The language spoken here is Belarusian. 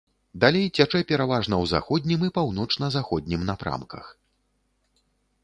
Далей цячэ пераважна ў заходнім і паўночна-заходнім напрамках.